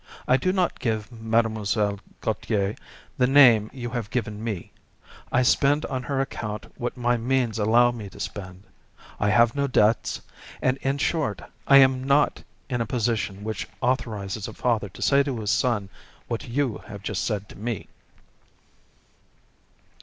I do not give Mlle. Gautier the name you have given me; I spend on her account what my means allow me to spend; I have no debts; and, in short, I am not in a position which authorizes a father to say to his son what you have just said to me."